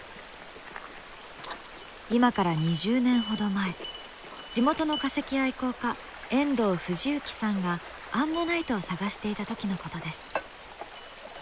今から２０年ほど前地元の化石愛好家遠藤富士幸さんがアンモナイトを探していた時のことです。